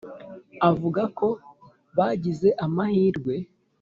avuga ko bagize amahirwe